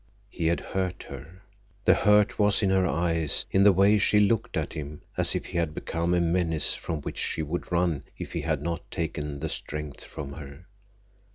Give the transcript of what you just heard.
He had hurt her. The hurt was in her eyes, in the way she looked at him, as if he had become a menace from which she would run if he had not taken the strength from her.